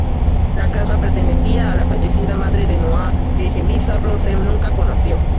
La casa pertenecía a la fallecida madre de Noah, que Jeliza-Rose nunca conoció.